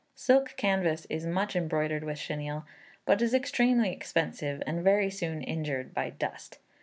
Silk canvas is much embroidered with chenille, but is extremely expensive, and very soon injured by dust.